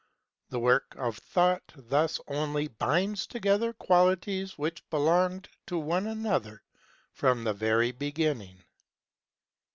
The work of Thought thus only binds together qualities which belonged to one another from the very beginning.